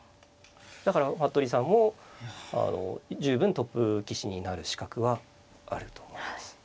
だから服部さんも十分トップ棋士になる資格はあると思います。